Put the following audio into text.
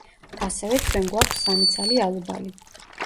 ასევე, ჩვენ გვაქვს სამი ცალი ალუბალი.